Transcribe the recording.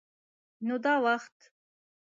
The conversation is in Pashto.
_نو دا وخت؟